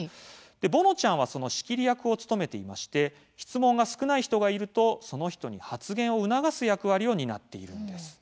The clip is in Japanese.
ぼのちゃんはその仕切り役を務めていまして質問が少ない人がいるとその人に発言を促す役割を担っているんです。